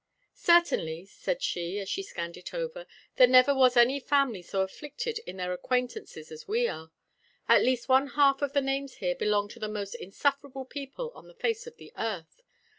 "Certainly," said she, as she scanned it over, "there never was any family so afflicted in their acquaintances as we are. At least one half of the names here belong to the most insufferable people on the face of the earth.